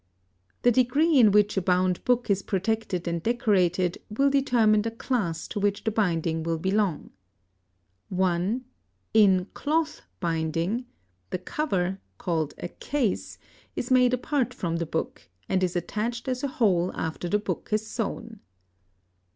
The degree in which a bound book is protected and decorated will determine the class to which the binding will belong. (1) In cloth binding, the cover, called a "case," is made apart from the book, and is attached as a whole after the book is sewn.